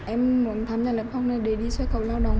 em muốn tham gia lớp học để đi xuất khẩu lao động